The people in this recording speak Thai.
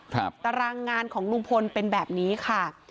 ตารางงานของลุงพลเป็นแบบนี้ค่ะ